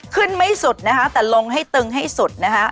ไม่สุดนะคะแต่ลงให้ตึงให้สุดนะคะ